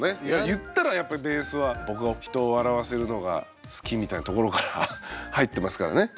言ったらやっぱりベースは僕は人を笑わせるのが好きみたいなところから入ってますからね。